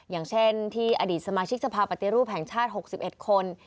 อย่างเช่นที่อดีตสมาชิกสภาพปฏิรูปแห่งชาติ๖๑คน